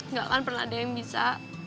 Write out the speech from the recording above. nggak akan pernah ada yang bisa